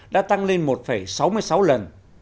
đã tăng lên một sáu mươi sáu lần